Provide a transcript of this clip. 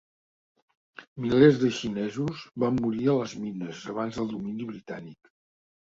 Milers de xinesos van morir a les mines abans del domini britànic.